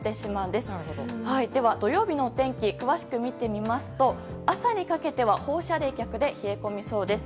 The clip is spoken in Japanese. では、土曜日のお天気詳しく見てみますと朝にかけては放射冷却で冷え込みそうです。